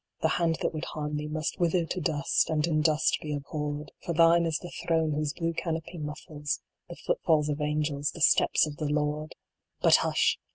the hand that would harm thee Must wither tc dust, and in dust be abhorred, For thine is the throne whose blue canopy muffles The footfalls of angels, the steps of the Lord ! But hush